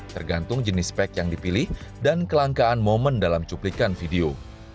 tergantung jenis pack yang dipilih dan kelangkaan momen dalam cuplikan video